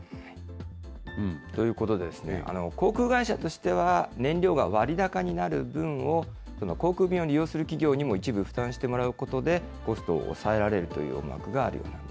ということでですね、航空会社としては、燃料が割高になる分を、航空便を利用する企業にも一部負担してもらうことで、コストを抑えられるという思惑があるようなんです。